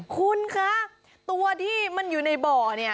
คุณคะตัวที่มันอยู่ในบ่อเนี่ย